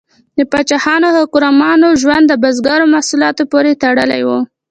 د پاچاهانو او حکمرانانو ژوند د بزګرو محصولاتو پورې تړلی و.